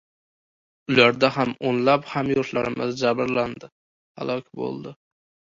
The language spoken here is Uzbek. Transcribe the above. Ularda ham oʻnlab hamyurtlarimiz jabrlandi, halok boʻldi.